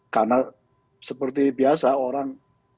karena seperti biasa orang